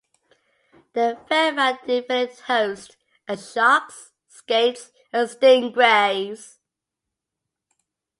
The verified definite hosts are sharks, skates and stingrays.